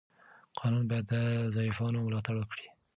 قانون باید د ضعیفانو ملاتړ وکړي.